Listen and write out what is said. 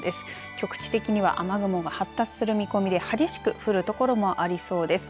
局地的には雨雲が発達する見込みで激しく降るところもありそうです。